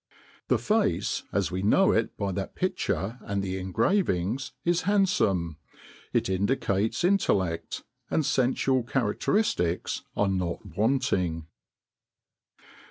The face, as we know it by that picture and the engravings, is handsome, it indicates intellect, and sensual characteristics are not wanting."